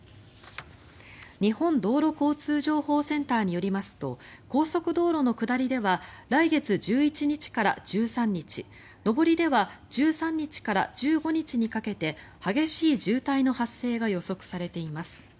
日本道路交通情報センターによりますと高速道路の下りでは来月１１日から１３日上りでは１３日から１５日にかけて激しい渋滞の発生が予測されています。